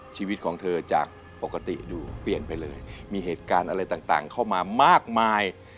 ชีวิตของเธอจากปกติอยู่เปลี่ยนไปเลยมีเหตุการณ์อะไรต่างเข้ามามากมาย